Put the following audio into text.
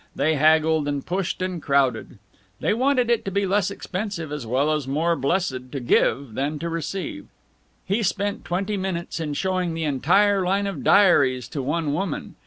They haggled and pushed and crowded; they wanted it to be less expensive, as well as more blessed, to give than to receive. He spent twenty minutes in showing the entire line of diaries to one woman.